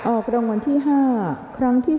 ออกรางวัลที่๕ครั้งที่๓